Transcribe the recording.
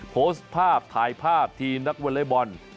โพสต์ภาพถ่ายภาพทีมนักวอเล็กบอล